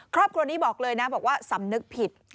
ครอบครัวนี้บอกเลยนะบอกว่าสำนึกผิด